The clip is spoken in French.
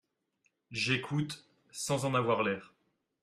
J'écoute, sans en avoir l'air.